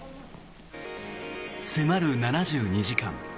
迫る７２時間。